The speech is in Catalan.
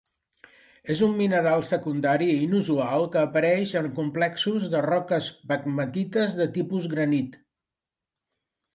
És un mineral secundari inusual que apareix en complexos de roques pegmatites de tipus granit.